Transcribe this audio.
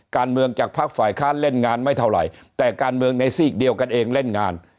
การเมืองจากภาคฝ่ายค้านเล่นงานไม่เท่าไหร่แต่การเมืองในซีกเดียวกันเองเล่นงาน